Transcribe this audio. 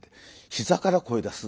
「ひざから声出す」。